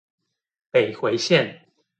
北迴線